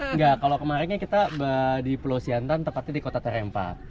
enggak kalau kemarinnya kita di pulau siantan tepatnya di kota terempa